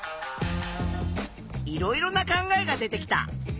いろいろな考えが出てきた。